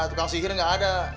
tukang sihir nggak ada